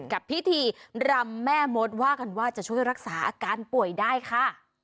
กับพิธีรำแม่มดว่ากันว่าจะช่วยรักษาอาการป่วยได้ค่ะ